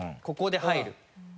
ここで入る？